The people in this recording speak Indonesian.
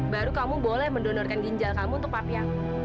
baru kamu boleh mendonorkan ginjal kamu untuk papi aku